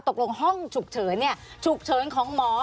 ตกลงห้องฉุกเฉินฉุกเฉินของหมอ